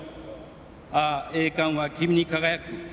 「ああ栄冠は君に輝く」